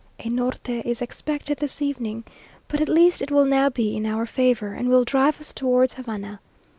A norte is expected this evening, but at least it will now be in our favour, and will drive us towards Havana.